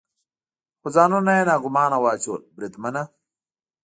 خو ځانونه یې ناګومانه واچول، بریدمنه.